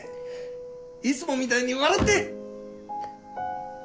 いつもみたいに笑って！